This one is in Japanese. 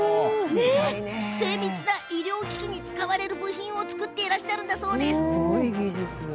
精密な医療機器に使われる部品を作っているんだそうです。